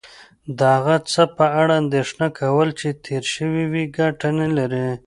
د هغه څه په اړه اندېښنه کول چې تیر شوي وي کټه نه لرې